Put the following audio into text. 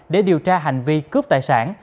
để điều tra hành vi cướp tài sản